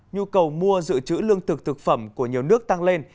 nhu cầu mua dự trữ lương thực thực phẩm của nhiều nước tăng lên